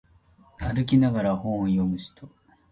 歩きながら本を読む人